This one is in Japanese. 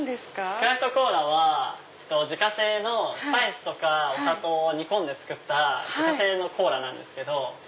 ＣＲＡＦＴＣＯＬＡは自家製のスパイスとかお砂糖を煮込んで作った自家製のコーラなんですけど。